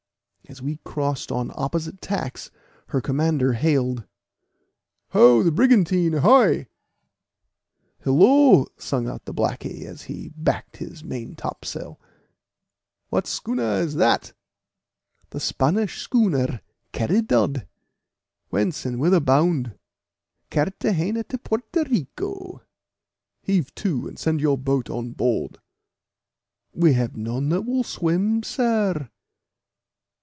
As we crossed on opposite tacks, her commander hailed, "Ho, the brigantine, ahoy!" "Hillo!" sung out Blackie, as he backed his main top sail. "What schooner is that?" "The Spanish schooner Caridad." "Whence, and whither bound?" "Carthagena to Porto Rico." "Heave to, and send your boat on board." "We have none that will swim, sir."